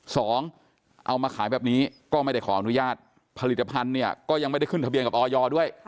เอามาขายแบบนี้ก็ไม่ได้ขออนุญาตผลิตภัณฑ์เนี่ยก็ยังไม่ได้ขึ้นทะเบียนกับออยด้วย